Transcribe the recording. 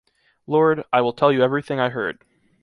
Lord, I will tell you everything I heard.